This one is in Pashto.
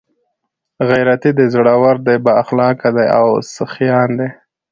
، غيرتي دي، زړور دي، بااخلاقه دي او سخيان دي